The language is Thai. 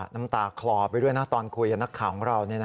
น้ำตาคลอไปด้วยนะตอนคุยกับนักข่าวของเรา